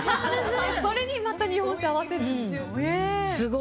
それにまた日本酒合わせるんですか。